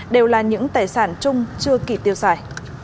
đều là những tài sản chung chưa kịp tiêu xài